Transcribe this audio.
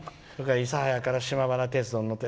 諫早から島原鉄道に乗って。